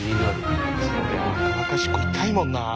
そりゃ若々しくいたいもんな。